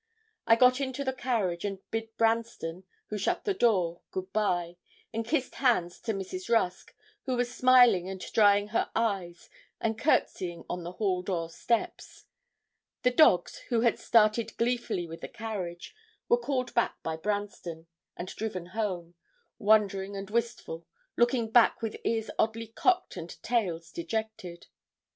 I got into the carriage, and bid Branston, who shut the door, good bye, and kissed hands to Mrs. Rusk, who was smiling and drying her eyes and courtesying on the hall door steps. The dogs, who had started gleefully with the carriage, were called back by Branston, and driven home, wondering and wistful, looking back with ears oddly cocked and tails dejected.